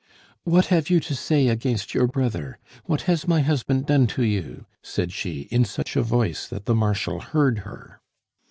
"What have you to say against your brother? What has my husband done to you?" said she, in such a voice that the Marshal heard her.